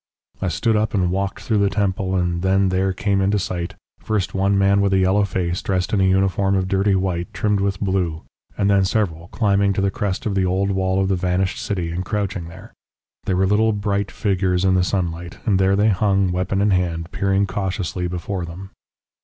"I stood up and walked through the temple, and then there came into sight first one man with a yellow face, dressed in a uniform of dirty white, trimmed with blue, and then several, climbing to the crest of the old wall of the vanished city, and crouching there. They were little bright figures in the sunlight, and there they hung, weapon in hand, peering cautiously before them.